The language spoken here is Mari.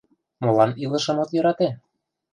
Молан илышым от йӧрате?